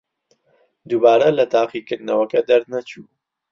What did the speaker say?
دووبارە لە تاقیکردنەوەکە دەرنەچوو.